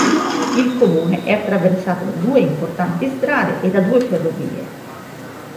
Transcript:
Il comune è attraversato da due importanti strade e da due ferrovie.